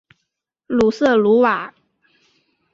鲁瑟卢瓦。